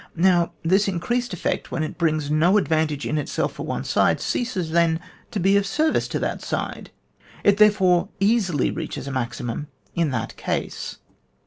Now this increased effect when it brings no advantage in itself for one side, ceases then to be of service to that side ; it therefore easily reaches a maximum in that case.